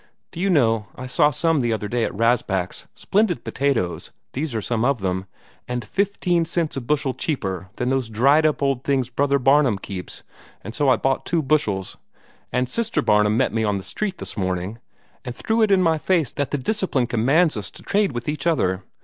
Do you know, I saw some the other day at Rasbach's, splendid potatoes these are some of them and fifteen cents a bushel cheaper than those dried up old things Brother Barnum keeps, and so I bought two bushels. And Sister Barnum met me on the street this morning, and threw it in my face that the Discipline commands us to trade with each other.